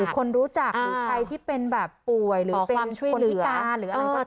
คนรู้จักหรือใครที่เป็นแบบป่วยหรือเป็นคนพิการหรืออะไรก็ตาม